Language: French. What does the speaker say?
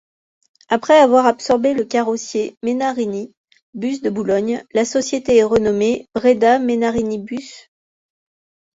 Après avoir absorbé le carrossier Menarini Bus de Bologne, la société est renommée BredaMenarinibus.